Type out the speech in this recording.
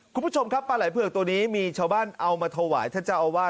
คุณผู้ชมครับปลาไหลเผือกตัวนี้มีชาวบ้านเอามาถวายท่านเจ้าอาวาส